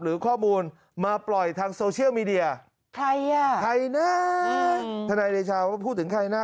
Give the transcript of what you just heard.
หรือข้อมูลมาปล่อยทางโซเชียลมีเดียใครอ่ะใครนะทนายเดชาก็พูดถึงใครนะ